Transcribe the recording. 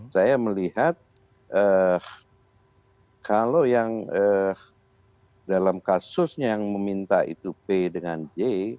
saya melihat kalau yang dalam kasusnya yang meminta itu p dengan j